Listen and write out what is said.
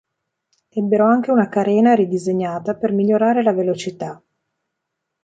Ebbero anche una carena ridisegnata per migliorare la velocità.